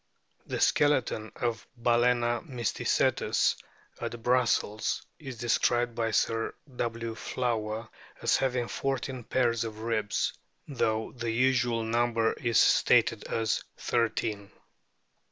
The skeleton of Balcena o mysticelus at Brussels is described by Sir W. Flower as having fourteen pairs of ribs, though the "usual" number is stated at thirteen.